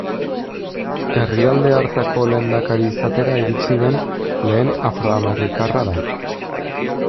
Herrialde hartako lehendakari izatera iritsi den lehen afro-amerikarra da.